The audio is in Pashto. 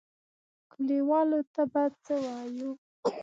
کليوالو ته به څه وايو؟